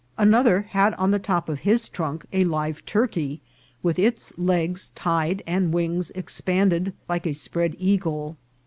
Another had on the top of his trunk a live turkey, with its legs tied and wings expanded, like a spread eagle.